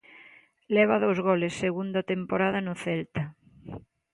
Leva dous goles, segunda temporada no Celta.